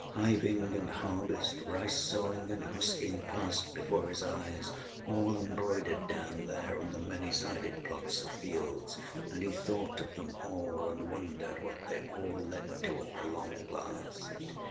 Hiving and harvest, rice sowing and husking, passed before his eyes, all embroidered down there on the many sided plots of fields, and he thought of them all, and wondered what they all led to at the long last.